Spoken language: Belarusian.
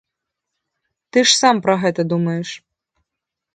Ты ж сам пра гэта думаеш.